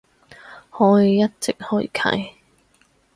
可以一直開啟